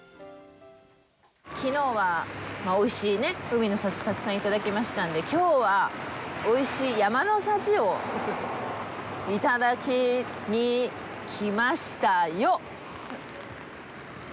きのうは、おいしい海の幸をたくさんいただきましたんできょうは、おいしい山の幸をいただきに来ましたよっ。